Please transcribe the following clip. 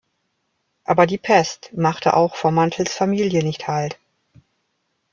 Aber die Pest machte auch vor Mantels Familie nicht halt.